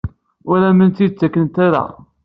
Ur am-tent-id-ttakent ara?